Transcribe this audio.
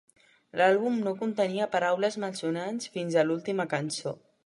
L'àlbum no contenia paraules malsonants fins a l'última cançó.